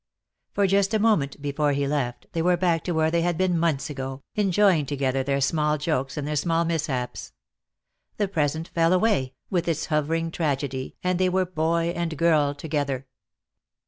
For just a moment, before he left, they were back to where they had been months ago, enjoying together their small jokes and their small mishaps. The present fell away, with its hovering tragedy, and they were boy and girl together.